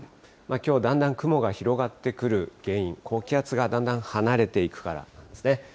きょうはだんだん雲が広がってくる原因、高気圧がだんだん離れていくからなんですね。